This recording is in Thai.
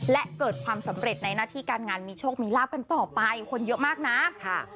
และเกิดความสำเร็จในหน้าที่การงานมีโชคมีลาบกันต่อไปคนเยอะมากนะค่ะ